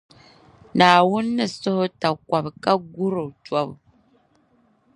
Naawuni ni sahi o takɔbi ka guri o tɔbu.